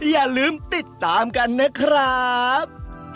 อย่าลืมติดตามกันนะครับ